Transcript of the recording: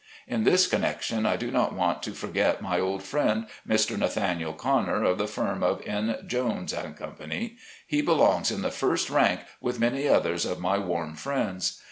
In this connection I do not want to forget my old friend, Mr. Nathaniel Conner, of the firm of N. Jones & Company. He belongs in the first rank with many others of my warm friends.